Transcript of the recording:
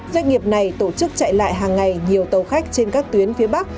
doanh nghiệp này tổ chức chạy lại hàng ngày nhiều tàu khách trên các tuyến phía bắc